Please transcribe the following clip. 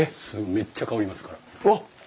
めっちゃ香りますから。